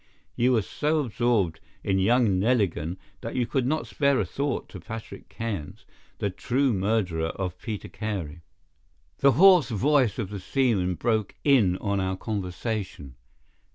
You were so absorbed in young Neligan that you could not spare a thought to Patrick Cairns, the true murderer of Peter Carey." The hoarse voice of the seaman broke in on our conversation.